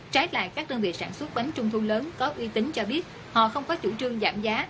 trái lại các đơn vị sản xuất bánh trung thu lớn có uy tín cho biết họ không có chủ trương giảm giá